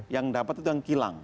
yang dapat itu yang kilang